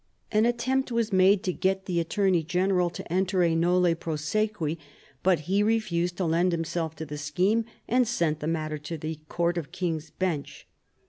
An attempt was made to get the Attorney General to enter a nolle prosequi; but he refused to lend himself to the scheme, and sent the matter to the Court of King's Bench.